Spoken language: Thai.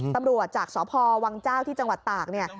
จากสพวังเจ้าที่จังหวัดตากเนี่ย